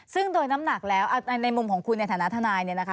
ซึ่งโดยน้ำหนักแล้วในมุมของคุณในฐานาย